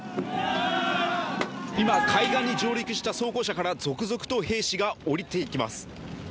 今、海岸に上陸した装甲車から続々と兵士が降りていきます。